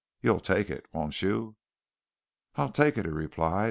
You'll take it, won't you?" "I'll take it," he replied.